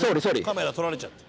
カメラ取られちゃって。